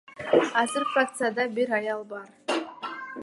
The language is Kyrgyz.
Азыр фракцияда бир аял бар.